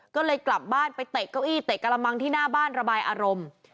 ก็เลยกลับบ้านไปเตะเก้าอี้เตะกระมังที่หน้าบ้านระบายอารมณ์